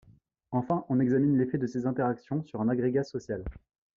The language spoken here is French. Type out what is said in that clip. Enfin, on examine l'effet de ces interactions sur un agrégat social.